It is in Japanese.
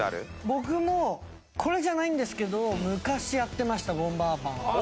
僕もこれじゃないんですけど昔やってました『ボンバーマン』は。